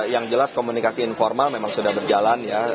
yang jelas komunikasi informal memang sudah berjalan ya